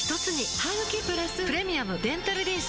ハグキプラス「プレミアムデンタルリンス」